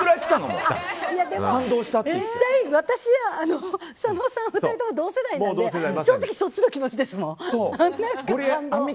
でも実際、私と佐野さん２人とも同世代なんで正直そっちの気持ちですもん。